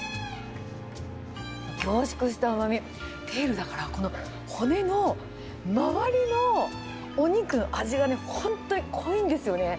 凝縮したうまみ、テールだから、この骨の周りのお肉の味がね、本当に濃いんですよね。